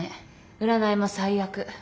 占いも最悪。